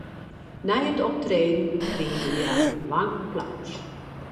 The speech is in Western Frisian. Nei it optreden krigen hja in lang applaus.